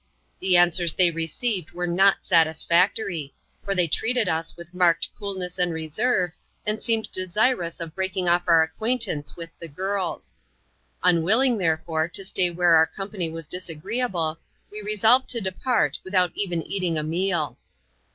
The answers they received were not satisfactory ; for they treated us with marked coolness and reserve, and seemed desirous of breaking off our acquaintance with the girls. Unwilling, there fore, to stay where our company was disagreeable, we resolved to depart, without even eating a meal.